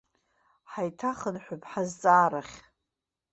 Ҳаиҭахынҳәып ҳазҵаара ахь.